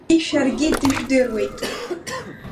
Уи шәаргьы дыжәдыруеит…